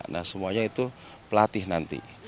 nah semuanya itu pelatih nanti